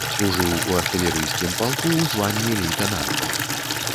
Служыў у артылерыйскім палку ў званні лейтэнанта.